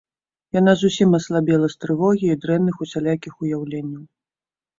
Яна зусім аслабела з трывогі і дрэнных усялякіх уяўленняў.